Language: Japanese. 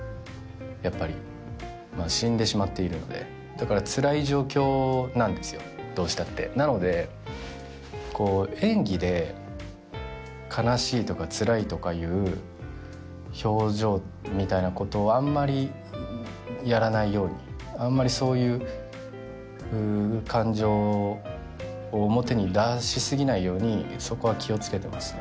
やっぱりまあ死んでしまっているのでだからつらい状況なんですよどうしたってなので演技で悲しいとかつらいとかいう表情みたいなことをあんまりやらないようにあんまりそういう感情を表に出しすぎないようにそこは気をつけてますね